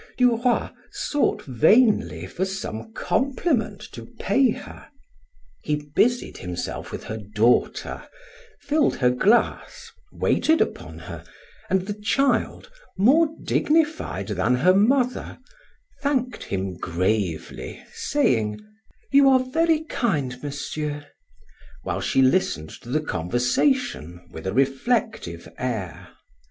Duroy sought vainly for some compliment to pay her; he busied himself with her daughter, filled her glass, waited upon her, and the child, more dignified than her mother, thanked him gravely saying, "You are very kind, Monsieur," while she listened to the conversation with a reflective air.